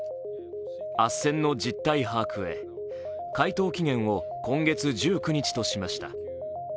あっせんの実態把握へ、回答期限を今月１９日としました。